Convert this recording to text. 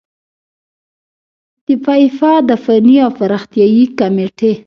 د فیفا د فني او پراختیايي کميټې